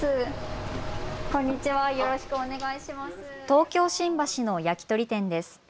東京新橋の焼き鳥店です。